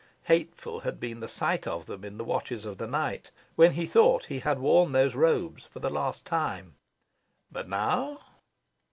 Hateful had been the sight of them in the watches of the night, when he thought he had worn those robes for the last time. But now